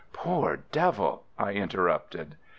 "Poor devil!" I interrupted.